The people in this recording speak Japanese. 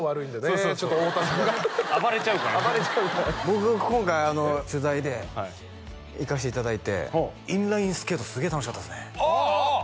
そうそうちょっと太田さんが暴れちゃうから僕今回取材で行かせていただいてインラインスケートすげえ楽しかったですねああああ